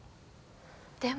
でも。